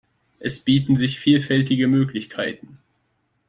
Es bieten sich vielfältige Möglichkeiten.